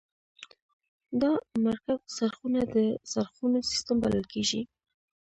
دا مرکب څرخونه د څرخونو سیستم بلل کیږي.